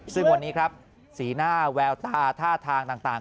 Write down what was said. ซึ่งวันนี้ครับสีหน้าแววตาท่าทางต่าง